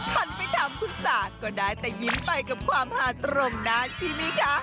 คันไปถามคุณสาดก็ได้แต่ยิ้มไปกับความหาตรงนะชิมิคะ